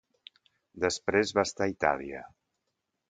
Després va estar a Itàlia.